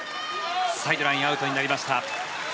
サイドラインアウトになりました。